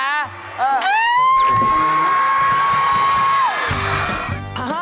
พูดแล้วนะ